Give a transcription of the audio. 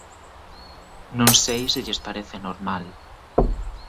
Non sei se lles parece normal.